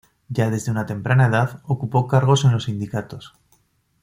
Ya desde una temprana edad ocupó cargos en los sindicatos.